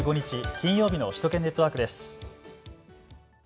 金曜日の首都圏ネットワークです。